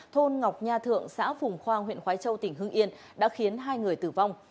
thôn ngọc nha thượng xã phùng khoang huyện khói châu tỉnh hưng yên đã khiến hai người tử vong